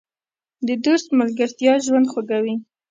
د دوست ملګرتیا ژوند خوږوي.